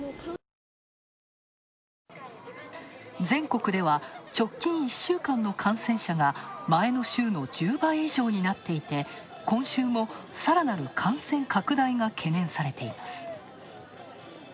全国では直近１週間の感染者が前の週の１０倍以上になっていて今週も、さらなる感染拡大が懸念されています。